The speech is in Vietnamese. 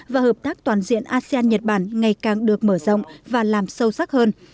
và hợp tác toàn diện asean nhật bản ngày càng được mở rộng và làm sâu sắc hơn